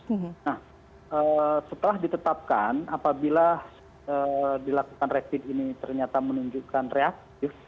nah setelah ditetapkan apabila dilakukan rapid ini ternyata menunjukkan reaktif